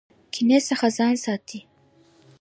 کینې څخه ځان ساتئ